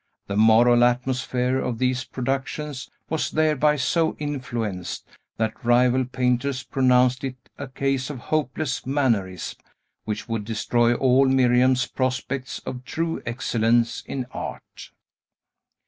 The moral atmosphere of these productions was thereby so influenced, that rival painters pronounced it a case of hopeless mannerism, which would destroy all Miriam's prospects of true excellence in art.